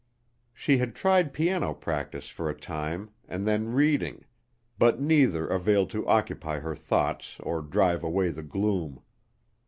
She had tried piano practice for a time and then reading, but neither availed to occupy her thoughts or drive away the gloom.